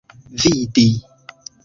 vidi